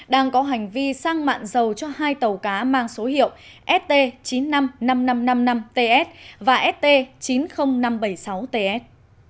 đang có hành vi sang mạng dầu cho hai tàu cá mang số hiệu st chín trăm năm mươi năm nghìn năm trăm năm mươi năm ts và st chín mươi nghìn năm trăm bảy mươi sáu ts